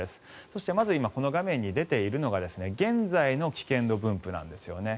そして、まず今この画面に出ているのが現在の危険度分布なんですね。